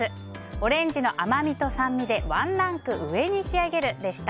オレンジの甘みと酸味でワンランク上に仕上げるでした。